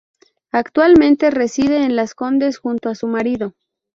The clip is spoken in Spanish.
Actualmente reside en Las Condes junto a su marido.